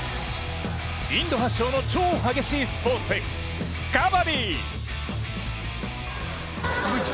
インド発祥の超激しいスポーツ、カバディ。